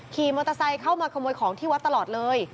ขี่มอเตอร์ไซค์เข้ามาขโมยของที่วัดตลอดเลย